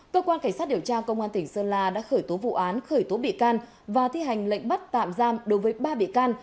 cơ quan cảnh sát điều tra công an tỉnh sơn la đã khởi tố vụ án khởi tố bị can và thi hành lệnh bắt tạm giam đối với ba bị can